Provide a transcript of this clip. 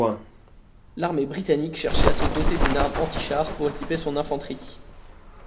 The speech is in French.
L'armée britannique cherchait à se doter d'une arme antichar pour équiper son infanterie.